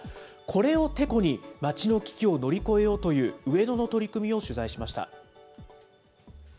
これをてこに、街の危機を乗り越えようという上野の取り組みを取材しました。